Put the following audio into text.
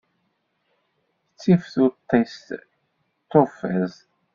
Ttif tuṭṭist tuffiẓt.